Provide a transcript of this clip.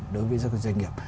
đối với doanh nghiệp